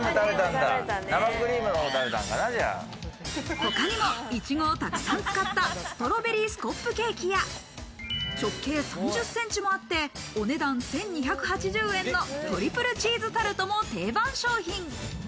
他にもイチゴをたくさん使ったストロベリースコップケーキや直径３０ｃｍもあって、お値段１２８０円のトリプルチーズタルトも定番商品。